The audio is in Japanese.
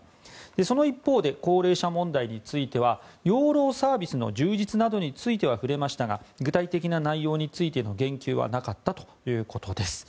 その一方で高齢者問題については養老サービスの充実などについては触れましたが具体的な内容についての言及はなかったということです。